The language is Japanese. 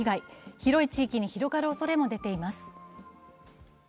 広い地域に広がるおそれも出ています。